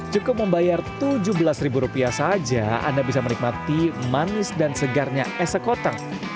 cukup membayar tujuh belas saja anda bisa menikmati manis dan segarnya es sekoteng